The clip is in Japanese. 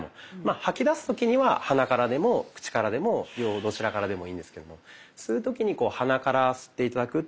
吐き出す時には鼻からでも口からでも両方どちらからでもいいんですけども吸う時に鼻から吸って頂くっていうのを。